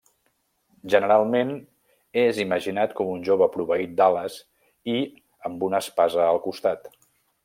Generalment, és imaginat com un jove proveït d'ales i amb una espasa al costat.